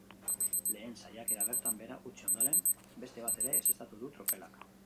Lehen saiakera bertan behera utzi ondoren, beste bat ere ezeztatu du tropelak.